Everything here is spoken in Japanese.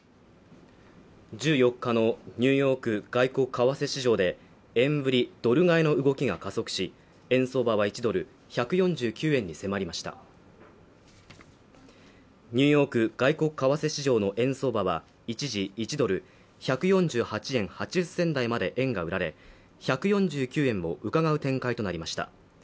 １４日のニューヨーク外国為替市場で円売りドル買いの動きが加速し円相場は１ドル＝１４９円に迫りましたニューヨーク外国為替市場の円相場は一時１ドル＝１４８円８０銭台まで円が売られ１４９円をうかがう展開となりました